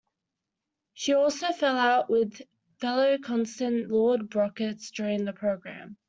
She also fell out with fellow contestant Lord Brocket during the programme.